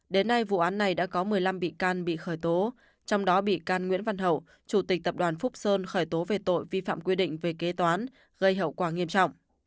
đến nay vụ án này đã có một mươi năm bị can bị khởi tố trong đó bị can nguyễn văn hậu chủ tịch tập đoàn phúc sơn khởi tố về tội vi phạm quy định về kế toán gây hậu quả nghiêm trọng